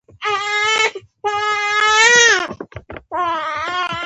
افغانستان يو ښکلی هېواد دی